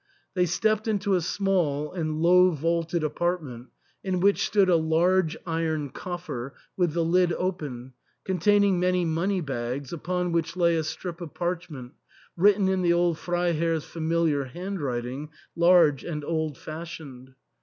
They stepped into a small and low vaulted apart ment, in which stood a large iron coffer with the lid open, containing many money bags, upon which lay a strip of parchment, written in the old Freiherr's famil iar handwriting, large and old fashioned.